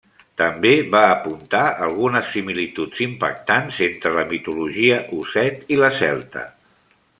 També va apuntar algunes similituds impactants entre la mitologia osset i la celta.